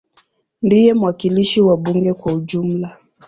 Ndiye mwakilishi wa bunge kwa ujumla.